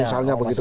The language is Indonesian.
ah misalnya begitu